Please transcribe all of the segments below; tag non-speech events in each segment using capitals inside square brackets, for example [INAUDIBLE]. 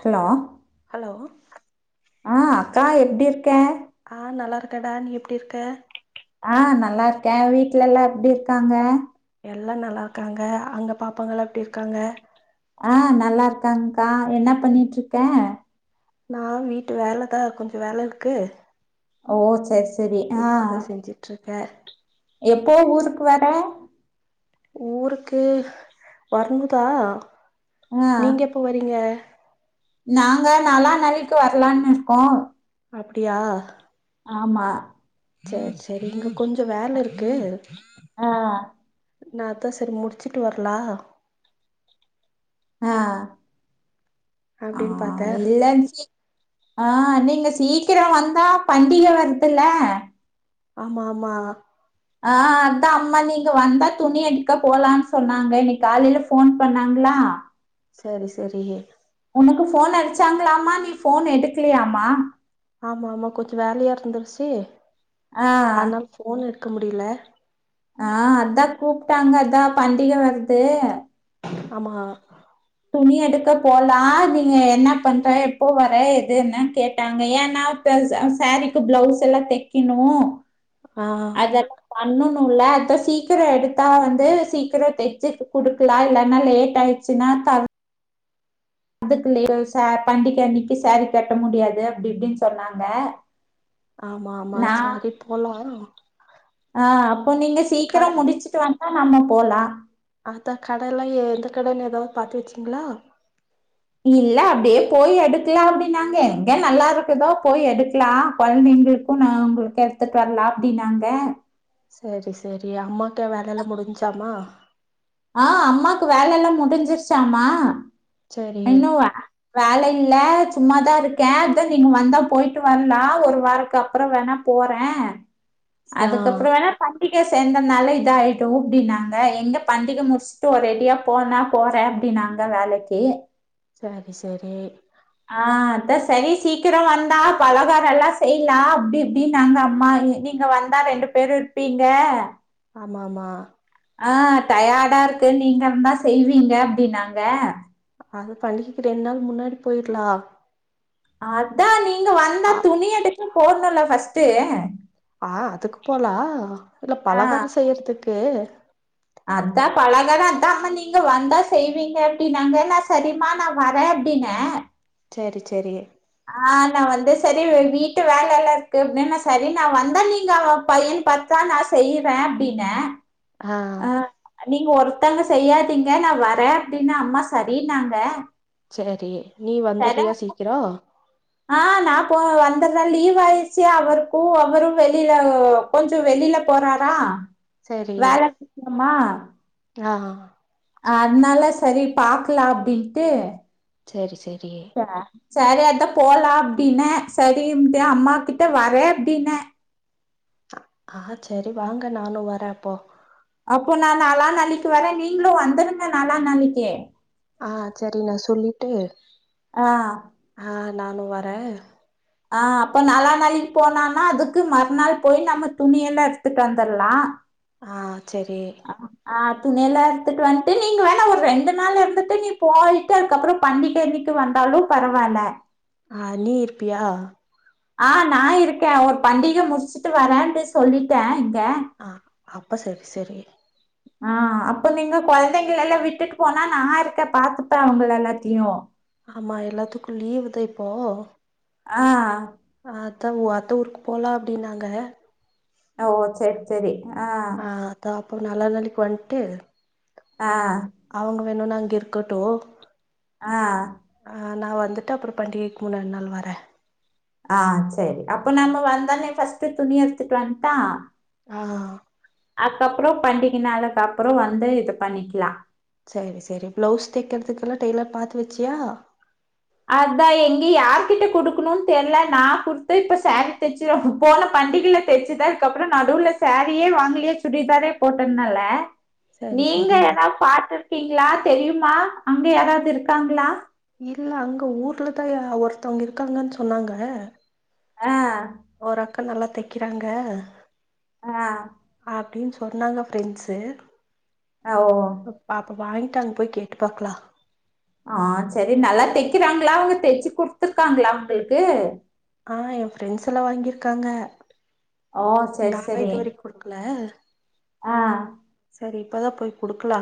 Hello hello ஆ அக்கா எப்டி இருக்கே ஆ நல்லா இருக்கடா நீ எப்டி இருக்க ஆ நல்லா இருக்கே வீட்டு்ல எல்லா எப்டி இருக்காங்க எல்லா நல்லா இருக்காங்க அங்க பாப்பாங்கள்லா எப்டி இருக்காங்க ஆ நல்லா இருக்காங்கா என்ன பண்ணிட்டு இருக்க நான் வீட்டு வேல தா கொஞ்ச வேல இருக்கு ஓ செர் இப்ப தா செஞ்சுட்டுருக்கே எப்போ ஊருக்கு வர ஊருக்கு வரனு கா ஆ நீங்க எப்ப வரீங்க நாங்க நல்லான்னைக்கு வரலாம்னு இருக்கோ அப்டியா ஆமா சேரி சேரி இங்க கொஞ்சோ வேல இருக்கு அ நேத்தே சேரி முடிச்சுட்டு வரலா அ அ அப்டின்னு பாத்தே இல்ல [INAUDIBLE] அ நீங்க சீக்கிர வந்தா பண்டிக வருதுல ஆமா ஆமா அ அதான் அம்மா நீங்க வந்தா துணி எடுக்க போலான்னு சொன்னாங்க இன்னைக்கு காலையில போன் பண்ணாங்களா சரி சரி உனக்கு போன் அடிச்சாங்களாமா நீ போன் எடுக்கலையாமா ஆமா ஆமா கொஞ்சோ வேலயா இருந்துருச்சு ஆ அதனால ஃபோன் எடுக்க முடியல அ அதா கூப்பிட்டாங்க அதா பண்டிக வருது ஆமா துணி எடுக்க போலா நீங்க என்ன பண்ற எப்போ வர எதுன்னு கேட்டாங்க ஏன்னா ச சேரீக்கு பிளவுஸ் எல்லா தைக்கணு அ அத பண்ணனும்ல்ல அதா சீக்கிர எடுத்தா வந்து சீக்கிரோ தைச்சு குடுக்கலா இல்லன்னா லேட் ஆயிடுச்சுன்னா த அதுக்குல ச பண்டிக அன்னைக்கு சாரீ கட்ட முடியாது அப்டி இப்டின்னு சொன்னாங்க ஆமா ஆமா சேரி போலா அ அப்போ நீங்க சீக்கிர முடிச்சுட்டு வாங்க நம்மே போலா அந்த கடைலயு எந்த கடைலயு ஏதாவது பாத்து வச்சிங்களா இல்ல அப்டியே போய் எடுக்கலா அப்டின்னாங்க எங்க நல்லா இருக்குதோ போய் எடுக்கலா கொழந்தைங்க இப்ப நா உங்களுக்கு எடுத்துட்டு வரலா அப்டின்னாங்க சேரி சேரி அம்மாக்கு வேலலா முடிஞ்சாமா அ அம்மாக்கு வேலல்லா முடிஞ்சிருச்சாமா சரி [UNINTELLIGIBLE] வேல இல்ல சும்மாதா இருக்கே அதா நீங்க வந்தா போயிட்டு வரலா ஒரு வாரத்துக்கு அப்ற வேணா போறே ஆ அதுக்ப்றோ வேணா பண்டிகை சேந்தோம்னாலே இத ஆயிடு அப்டினாங்க எங்க பண்டிக முடிச்சுட்டு ஒரெடியா போனா போறே அப்டினாங்க வேலைக்கு சேரி சேரி அ அதா சரி சீக்கிர வந்தா பலகார எல்லா செய்யலா அப்டி இப்டின்னாங்க அம்மா எ நீங்க வந்தா ரெண்டு பேரு இருப்பீங்க ஆமாமா அ டயர்டா இருக்கு நீங்க இருந்தா செய்வீங்க அப்டின்னாங்க அது பண்டிகைக்கு ரெண்டு நாள் முன்னாடி போயிக்கலா அதா நீங்க வந்தா ஆ துணி எடுக்க போணும்ல ஃபஸ்ட்டு அ அதுக்கு போலா இல்ல ஆ பலகார செய்றதுக்கு அதா பலகார அதா அம்மா நீங்க வந்தா செய்வீங்க அப்டினாங்க நா சரிமா நா வரே அப்டின்னே செரி செரி அ நா வந்து செரி வீட்டு வேல எல்லா இருக்கு அப்டின் ந செரி நா வந்தா நீங்க அவ பையன் பா தா நா செய்வே அப்டினே ஆ நீங்க ஒருத்தங்க செய்யாதீங்க நா வரே அப்டின்ன அம்மா சரின்னாங்க செரி நீ சரி வந்துர்றியா சீக்கிரோ ஆ நாப்போ வந்தர்ற லீவ் ஆயிருச்சி அவருக்கு அவரு வெளில கொஞ்சோ வெளில போறாரா வேல [INAUDIBLE] ட்லாகா அத்னால சரிப் பாக்லா அப்டின்ட்டு சரி சரி சரி அத்தாப் போல்லா அப்டின்னே சரிம்த்தே அம்மாகிட்ட வரே அப்டின்னே ஆ சரி வாங்க நானு வரே அப்போ அப்போ நா நாலா நாளைக்கு வரறே நீங்ளு வந்துருங்க நாலா நாளிக்கே ஆ சரி நா சொல்லிட்டு ஆ ஆ நானு வரே ஆ அப்போ நாலா நாளைக் போனானா அதுக்கு மறுநாள் போயி நம்மத் துணியெல்லா எடுத்துட்டு வந்தர்லா ஆ செரி ஆ துணியெல்லா எடுத்துட்டு வன்ட்டு நீங்க வேணா ஒரு ரெண்டு நாளு இருந்துட்டு நீப் போயிட் டு அதுக்கப்பறோ பண்டிகை அன்னைக்கு வந்தாலுப் பரவால்ல ஆ நீ இருப்பியா ஆ நா இருக்கே ஒருப் பண்டிகே முடிச்சுட்டு வரேன்ட்டு சொல்லிட்டே இங்க ஆ அப்ப செரி செரி [INAUDIBLE] ஆ அப்போ நீங்க கொழந்தைங்கலெல்லா விட்டுட்டு போனா நா இருக்கேப் பாத்துப்பே அவுங்கள எல்லாத்தியு ஆமா எல்லாத்துக்கு லீவுதா இப்போ ஆ அதா உ அத்த ஊருக்கு போலா அப்டினாங்க ஓ செரி செரி ஆ தாப்போ நாலா நாளைக்கு வன்ட்டே ஆ அவுங்க வேணுணா இங்க இருக்கட்டு ஆ நா வந்துட்டு அப்பறோப் பண்டிகைக் முன்னால் நாள் வரே ஆ செரி அப்ப நம்ம வந்தோன்னே ஃபர்ஸ்ட்டு துணி எடுத்துட்டு வந்ட்டா ஆ அக்கப்றோப் பண்டிகை நாலே கப்புறோ வந்து இதுப் பண்ணிக்கிலா சரி செரி ப்ளவுஸ் தெக்கிறதுக்குலா டெய்லர் பாத்து வெச்சியா அதா எங்கே யாருகிட்ட குடுக்குணுன் தெர்ல நா குடுத்த இப்ப சாரி தெச்சிரு போனப் பண்டிகிலத் தெச்சது அதுக்கப்றோ நடுவுல சாரியே வாங்கிலியே சுடிதாரேப் போட்டுந்தல்ல சரி நீங்க சரி எதாவ் பாத்துருக்கீங்ளாத் தெரியுமா அங்க யாராவது இருக்காங்ளா இல்ல அங்கே ஊர்லதா யா ஒருத்தவுங்க இருக்காங்கன் சொன்னாங்க அ ஒரு அக்க நல்லாத் தெக்கிறாங்க அ அப்டின் சொன்னாங்க ஃப்ரெண்ட்ஸு ஓ பாப்போ வாங்கிட்டு அங்க போய் கேட்டு பாக்கலா ஆ சரி நல்லா தைக்கிறாங்களா அவங்க தைச்சு குத்துருக்காங்களா உங்களுக்கு ஆ எய ஃப்ரெண்ட்ஸ் எல்லா வாங்கியிருக்காங்க ஓ சரி நாலா சரி இதுவரைக்கு குடுக்கல ஆ சரி இப்பதா போய் கொடுக்கலா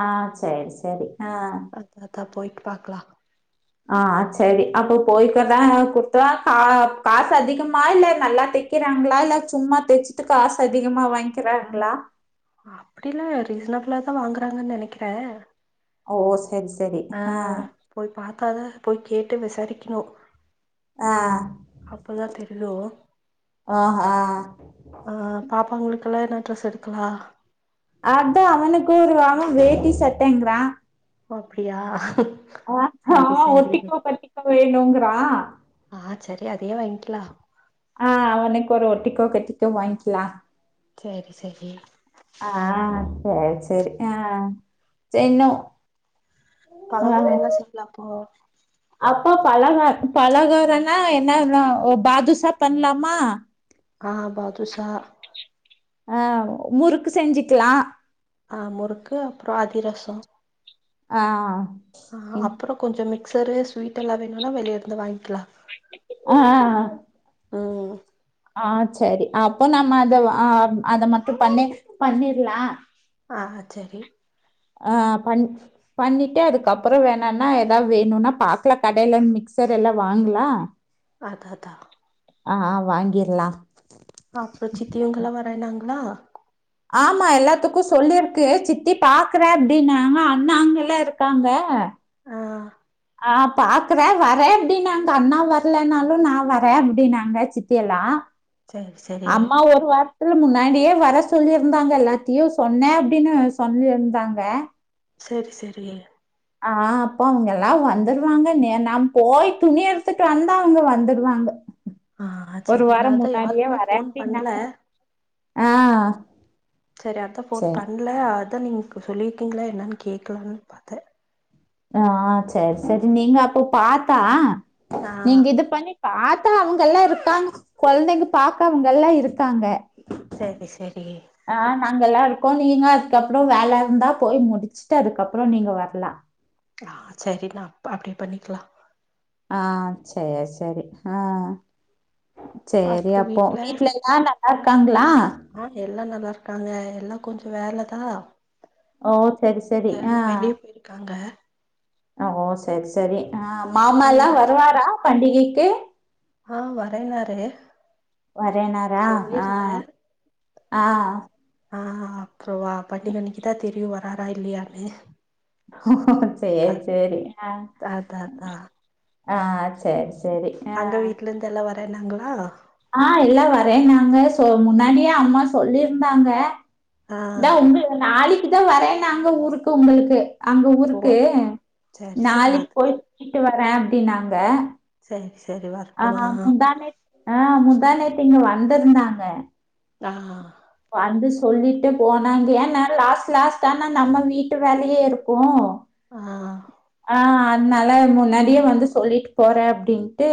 ஆ சேரி ஆ அ பாத்த போயிட்டு பாக்கலா ஆஹ் சரி அப்போ போய்கதா கொடுத்தன கா காசு அதிகமா இல்ல நல்லா தைக் க்கிறாங்களா இல்ல சும்மா தைச்சுட்டு காசு அதிகமா வாங்கிக்குறாங்களா அப்டில்லா ரீசனபிளா தா வாங்குறாங்கன்னு நெனைக்கிற ஓஓ சேரி சேரி ஆஹ் போய் பார்த்தாதா போய் கேட்டு விசாரிக்கண்ணு ஆ அப்பதா தெரியு ஆ ஆ ஆ பாப்பா உங்களுக்கல்லா என்ன ட்ரெஸ் எடுக்கலா அதா அவனுக்கும் ஒரு வார வேட்டி சட்டங்கிறா ஓ அப்டியா ஆஹ் சரி ஆமா சரி ஒட்டிக்கோ கட்டிக்கோ வேணுங்கறா ஆஹ் சரி அதயே வாங்கிக்கலா ஆஹ் அவனுக்கு ஒரு ஒட்டிக்கோ கட்டிக்கோ வாங்கிக்கலா சேரி சரி ஆ சேரி சரி ஆ சரின்னும் பலகார என்ன சிம்பிள்ளுல்ளா போவும் அப்பா பழக பலகாரனா என்னலா பாதுஷா பண்ணலாமா ஆஹ பாதுஷா ஆ முறுக்கு செஞ்சுக்கலா ஆஹ் முறுக்கு அப்பற அதிரச ஆ ஆ ம் அப்பற கொஞ்ச மிக்சர் ஸ்வீட்ட்ெல்லா வேணும்னா வெளியேருந்து வாங்கிக்கலா ஆ ம் ஆஹ் சரி அப்ப நம்ம அத ஆஹ் அத மட்டும் பண்ணி பண்ணிடுலா ஆ சேரி ஆஹ் பண் பண்ணிட்டு அதுக்கப்பற வேணனா ஏதாவது வேணும்னா பாக்கலா கடையில மிக்சர் எல்லா வாங்களலா அதா தா ஆ வாங்கிருள்ளா அப்பறம் சித்திவங்கெல்லா வரனாங்களா ஆமா எல்லாத்துக்கும் சொல்லிருக்கு சித்தி பாக்குற அப்படினாங்க அண்ணாங்க எல்லா இருக்காங்க ஆஹ் ஆஹ் பாக்குற வரேன்னு அப்டினாங்க அண்ணா வரலனாலும் நா வர அப்டின்னாங்க சித்தி எல்லா சேரி சேரி அம்மா ஒரு வார இதுல முன்னாடியே வர சொல்லியிருந்தாங்க எல்லாத்தையும் சொன்ன அப்டின்னு சொல்லியிருந்தாங்க சேர் சேரி ஆஹ் அப்போ அவங்க எல்லா வந்துருவாங்க நாம் போய் துணி எடுத்துட்டு வந்தா அவங்க வந்துடுவாங்க உ ஆ சரி நா அதா யாருக்குமே ஃபோன் அப்டின்னாங்க பண்ல ஆ சரி அடுத்த ஃபோன் சரி பண் இல்ல அதா நீங்க இப்போ சொல்லியிருக்கீங்களா என்னன்னு கேக்கலான்னு பாத்தே ஆ ஆ சேரி சேரி நீங்க அப்போ பாத்தா ஆ நீங்க இத பண்ணி பாத்தா அவங்க எல்லா இருக்காங்க கொழந்தைங்க பாக்க அவங்க எல்லா இருக்காங்க சரி சரி ஆ நாங்க எல்லா இருக்கோ நீங்க அதுக்கப்புறோ வேல இருந்தா போய் முடிச்சுட்டு அதுக்கப்புறோ நீங்க வர்லா ஆ சரிமா அப்டி பண்ணிக்கலா ஆ சேரி சேரி ஆ சேரி அப்போ வீட்ல ஆ நல்லா இருக்காங்களா ஆ எல்லா நல்லா இருக்காங்க எல்லா கொஞ்ச வேலதா ஓ சரி சரி ஆ எல்லா வெளிய போயிருக்காங்க ஓ சரி சரி ஆ மாமல்லா சேரிண்ணா வருவாரா பண்டிகைக்கு ஆ வரேனாரு வரேனாரா ஆ ஆ ஆ அப்றோவா பண்டிக்க அன்னிக்கு தா தெரியு வராரா இல்லயானு சேரி சேரி ஆ அதா அதா ஆ சரி சரி ஆ அங்க வீட்ல இருந்து எல்லா வரேன்னாங்களா ஆ எல்லா வரேன்னாங்க சோ முன்னாடியே அம்மா சொல்லியிருந்தாங்க ஆ இந்தா உங்க நாளைக்கு தா வரேன்னாங்க ஊருக்கு உங்களுக்கு அங்க ஓ ஊருக்கு சேரி சேரி நாளைக்கு அதுக்கு போய் கூட்டிடுவரே அப்டினாங்க சரி சரி வரட்டு வா நேத்து ஆ முந்தா நேத்து இங்க வந்திருந்தாங்க ஆ வந்து சொல்லிட்டு போனாங்க ஏன்னா லாஸ்ட் லாஸ்ட் ஆனா நம்ம வீட்டு வேலையே இருக்கு ஆ ஆ அதுனால முன்னாடியே வந்து சொல்லிட்டு போறே அப்டின்ட்டு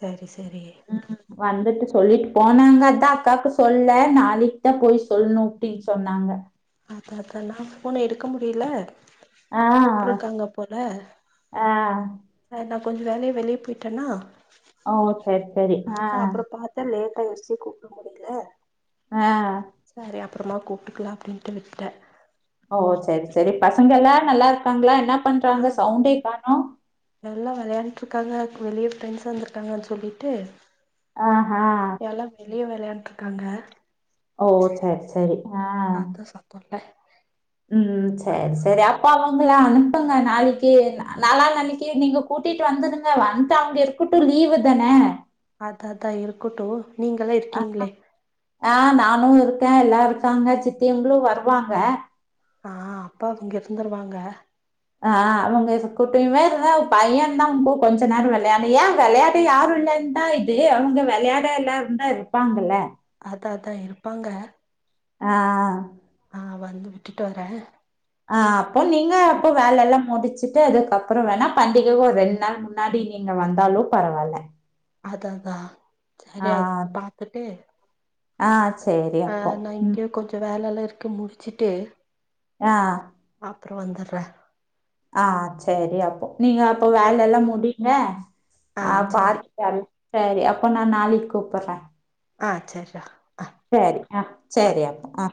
சரி சரி ம் வந்துட்டு சொல்லிட்டு போனாங்கதா அக்காக்கு சொல்ல நாளைக்குதா போய் சொல்ணு அப்டி சொன்னாங்க அதா அதா நா ஃபோன் எடுக்க முடியில ஆ கூப்ட்ருக்காங்க போல ஆ ச நா கொஞ்ச வேலையா வெளியே போயிட்டேன்னா ஓ சரி சரி. ஆ அதா அப்ற பாத்தே லேட்ட ஆயிருச்சு கூப்ட முடியில ஆ சரி அப்புறமா கூப்ட்டுக்கலா அப்டின்ட்டு விட்டே ஓ சரி சரி பசங்க எல்லா நல்லா இருக்காங்களா என்ன பண்றாங்க சவுண்டே காணோ நல்லா வெளையாண்ட்டுருக்காங்க அதுக்கு வெளியே ஃப்ரெண்ட்ஸ் வந்துருக்காங்கன்னு சொல்லிட்டு ஆஹா எல்லா வெளியே வெளையான்ட்ருக்காங்க ஓ சரி சரி ஆ போட்ட ம் சேரி சேரி அப்ப அவங்கள அனுப்புங்க நாளிக்கு நாளா நாளைக்கு நீங்க கூட்டிட்டு வந்துருங்க வந்து அவங்க இருக்கட்டு லீவு தானே அதா அதா இருக்கட்டு நீங்கல்லா இருக்கீங்களே ஆ நானு இருக்கே எல்லா இருக்காங்க சித்திங்களு வருவாங்க ஆ அப்பா இங்க சுந்தரவாங்க ஆ அவங்க குட்டியுமே இருந்தா பைய தா உ போ கொஞ்ச நேரம் விளையாடு ஏன் விளையாடி யாரும் இல்லன்னு என்ன இது அவங்க விளையாட எல்லாருந்தா இருப்பாங்கல்ல அதா அதா இருப்பாங்க ஆ ஆ வந்து விட்டுட்டு வரேன் ஆ அப்போ நீங்க அப்போ வேலை எல்லாம் முடிச்சுட்டு அதுக்கப்பறோ வேணா பண்டிகைக்கு ஒரு ரெண்டு நாள் முன்னாடி நீங்க வந்தாலு பரவாயில்ல அதா அதா சரியா பார்த்துட்டு ஆ சேரி ஆ நா இங்கேயும் கொஞ்சோ வேலைல்லாம் இருக்கு முடிச்சுட்டு ஆ அப்பறோ வந்துடுற ஆ சரி அப்போ நீங்க அப்போ சே வேலை எல்லாம் முடியுங்க ஆ அப்ப பா சேரி சரி சரி அப்போ நா நாளைக்கு கூப்பிடறேன் ஆ செர்டா சேரி ஆ சேரி அப்ப ஆ